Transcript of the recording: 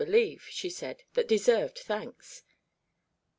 believe," she said, " that deserved thanks.